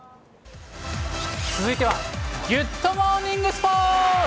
続いてはギュッとモーニングスポーツ。